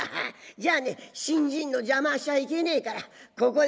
じゃあね新人の邪魔しちゃいけねえからここで別れましょう。